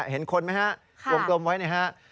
เห็นคนไหมครับลงโดมไว้นะครับ